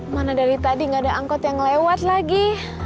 mana dari tadi nggak ada angkot yang lewat lagi